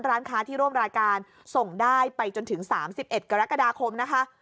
ร้านค้าที่ร่วมรายการส่งได้ไปจนถึง๓๑กรกฎาคมนะคะ